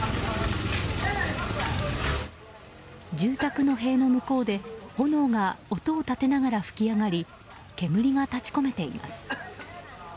住宅の塀の向こうで炎が音を立てながら噴き上がり煙が立ち込めています。